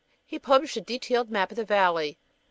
He published a detailed map of the valley.